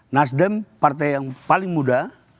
nasdem partai yang paling muda